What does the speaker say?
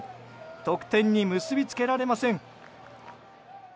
得点に結びつけられません。